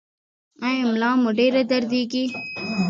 ایا ملا مو ډیره دردیږي؟